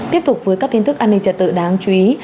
tiếp tục với các tin tức an ninh trật tự đáng chú ý